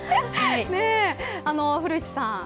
古市さん。